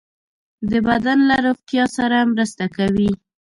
د بدن له روغتیا سره مرسته کوي.